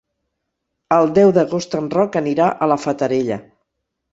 El deu d'agost en Roc anirà a la Fatarella.